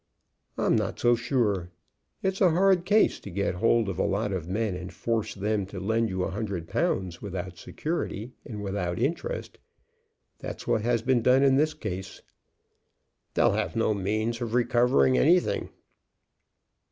"I'm not so sure. It's a hard case to get hold of a lot of men and force them to lend you a hundred pounds without security and without interest. That's what has been done in this case." "They'll have no means of recovering anything."